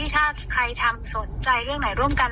ถ้าใครทำสนใจเรื่องไหนร่วมกัน